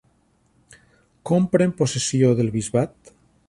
Com pren possessió del bisbat?